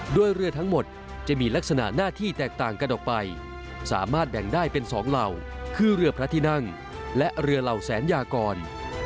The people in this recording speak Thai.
โดยเรือทั้งหมดจะมีลักษณะหน้าที่แตกต่างกันออกไปสามารถแบ่งได้เป็นสองเหล่าคือเรือพระที่นั่งและเรือเหล่าแสนยากร